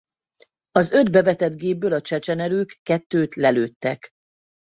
Az öt bevetett gépből a csecsen erők kettőt lelőttek.